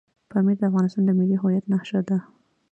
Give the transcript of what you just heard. پامیر د افغانستان د ملي هویت نښه ده.